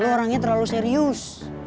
lu orangnya terlalu serius